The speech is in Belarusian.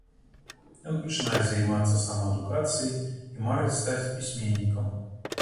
Ён пачынае займацца самаадукацыяй і марыць стаць пісьменнікам.